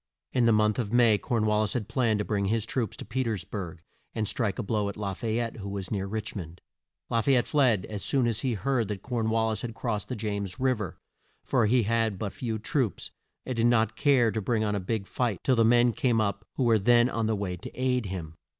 In the month of May, Corn wal lis had planned to bring his troops to Pe ters burg and strike a blow at La fay ette, who was near Rich mond. La fay ette fled as soon as he heard that Corn wal lis had crossed the James Riv er, for he had but few troops and did not care to bring on a big fight till the men came up who were then on the way to aid him.